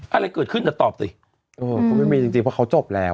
อะไรเกิดขึ้นเดี๋ยวตอบสิเออเขาไม่มีจริงเพราะเขาจบแล้ว